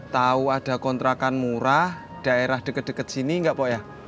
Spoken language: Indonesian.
kalo ada kontrakan murah daerah deket deket sini gak pok ya